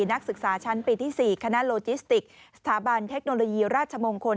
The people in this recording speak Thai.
นักศึกษาชั้นปีที่๔คณะโลจิสติกสถาบันเทคโนโลยีราชมงคล